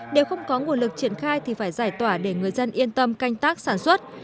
nếu không có nguồn lực triển khai thì phải giải tỏa để người dân yên tâm canh tác sản xuất